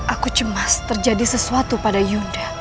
aku cemas terjadi sesuatu pada yuda